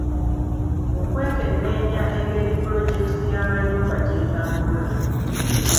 Okwekenneenya engeri pulojekiti y’amayumba gy’etambula.